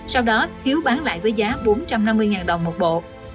sau đó hiếu bán lại với giá bốn trăm năm mươi đồng một bộ